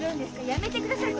やめてください。